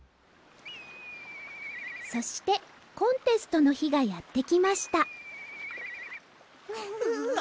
そしてコンテストのひがやってきましたふ！